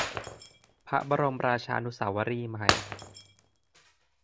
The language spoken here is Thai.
พระบรมราชานุสาวรีย์ใหม่